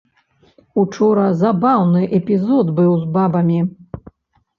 Учора забаўны эпізод быў з бабамі.